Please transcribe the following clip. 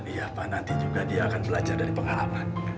iya pak nanti juga dia akan belajar dari pengalaman